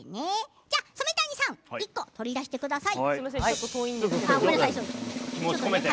じゃあ、染谷さん１個取り出してください。